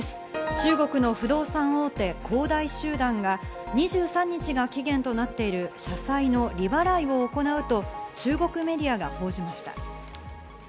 中国の不動産大手・恒大集団が２３日が期限となっている社債の利払いを行うと中国メディアが報じました。